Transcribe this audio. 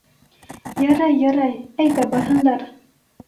— Ярай, ярай, әйҙә барһындар.